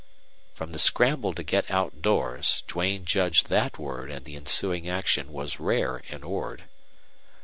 From the scramble to get outdoors Duane judged that word and the ensuing action was rare in Ord.